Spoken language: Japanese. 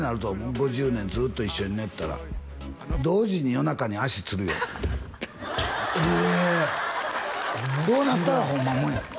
５０年ずっと一緒に寝てたら同時に夜中に足つるよえっこうなったらほんまもんよ